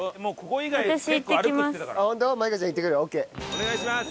お願いします！